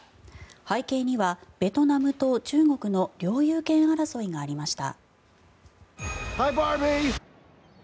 背景にはベトナムと中国の領有権争いがありました。